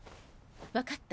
わかった。